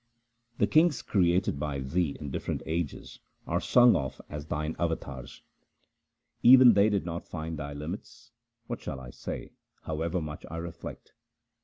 1 The kings created by Thee in different ages are sung of as Thine avatars. 2 Even they did not find Thy limits ; what shall I say, however much I reflect